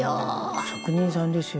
職人さんですよ」